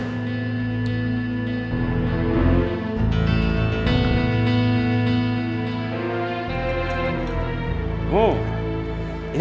itu temen saya